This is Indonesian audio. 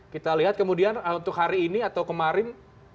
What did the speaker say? kita lihat kemudian untuk hari ini atau kemarin